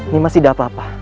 nima masih ada apa apa